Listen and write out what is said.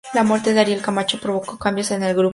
La muerte de Ariel Camacho provocó cambios en el grupo.